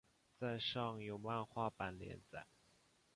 在上有漫画版连载。